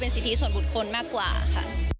สิทธิส่วนบุคคลมากกว่าค่ะ